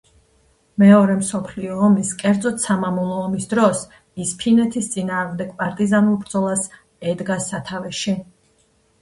მეორე მსოფლიო ომის, კერძოდ, სამამულო ომის დროს ის ფინეთის წინააღმდეგ პარტიზანულ ბრძოლას ედგა სათავეში.